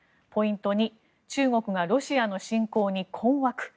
ポイント２中国がロシアの侵攻に困惑。